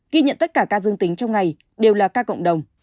ghi nhận tất cả ca dương tính trong ngày đều là ca cộng đồng